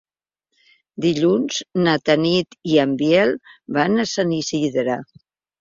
Dilluns na Tanit i en Biel van a Sant Isidre.